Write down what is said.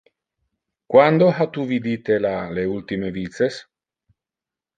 Quando ha tu vidite la le ultime vices?